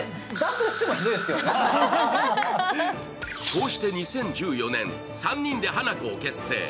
こうして２０１４年、３人でハナコを結成。